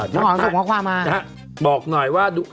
น้องอ๋อมส่งข้อความมานะครับบอกหน่อยว่า